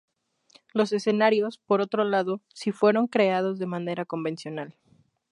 Los escenarios, por otro lado, sí fueron creados de manera convencional.